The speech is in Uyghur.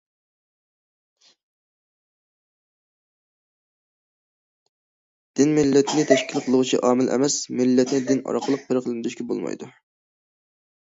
دىن مىللەتنى تەشكىل قىلغۇچى ئامىل ئەمەس، مىللەتنى دىن ئارقىلىق پەرقلەندۈرۈشكە بولمايدۇ.